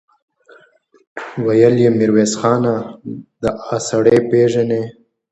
ويې ويل: ميرويس خانه! دآسړی پېژنې؟